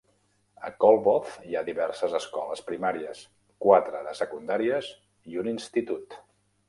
A Kolbotn hi ha diverses escoles primàries, quatre de secundàries i un institut.